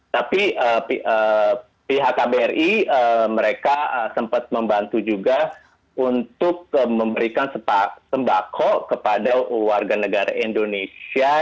tapi pihak kbri mereka sempat membantu juga untuk memberikan sembako kepada warga negara indonesia